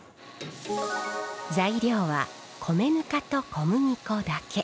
材料は米ぬかと小麦粉だけ。